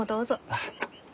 あっ。